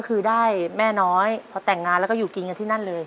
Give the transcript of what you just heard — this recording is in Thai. ก็คือได้แม่น้อยพอแต่งงานแล้วก็อยู่กินกันที่นั่นเลย